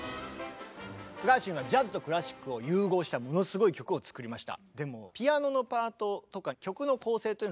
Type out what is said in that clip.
ガーシュウィンはジャズとクラシックを融合したものすごい曲を作りました。